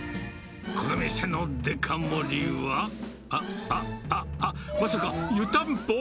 この店のデカ盛りは、あっ、あっ、あっ、まさか、湯たんぽ？